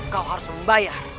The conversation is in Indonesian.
kau harus membayar